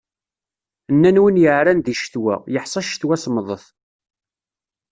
Nnan win yeεran di ccetwa, yeḥṣa ccetwa semmḍet.